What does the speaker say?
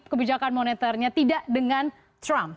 kebijakan moneternya tidak dengan trump